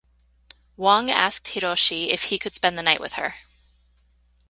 Wong asked Hiroshi if he could spend the night with her.